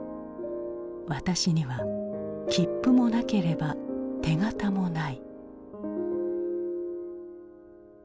私には切符もなければ手形もない」。